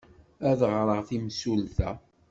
Ad ɣreɣ i temsulta!